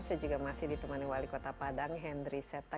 saya juga masih ditemani wali kota padang henry septa